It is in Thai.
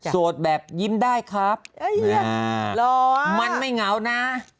แบบยิ้มได้ครับมันไม่เหงานะ